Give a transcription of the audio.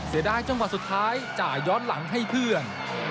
เสียดายจังหวะสุดท้ายจ่ายย้อนหลังให้เพื่อน